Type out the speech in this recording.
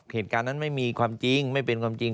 เหตุการณ์นั้นไม่มีความจริงไม่เป็นความจริง